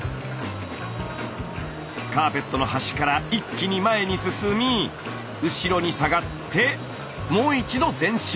カーペットの端から一気に前に進み後ろに下がってもう一度前進。